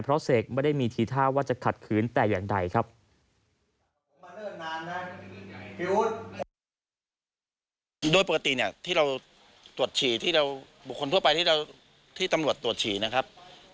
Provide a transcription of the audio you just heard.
เพราะเสกไม่ได้มีทีท่าว่าจะขัดขืนแต่อย่างใดครับ